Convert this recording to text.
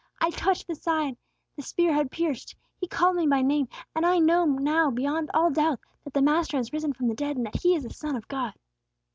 I touched the side the spear had pierced! He called me by name; and I know now beyond all doubt that the Master has risen from the dead, and that He is the Son of God!"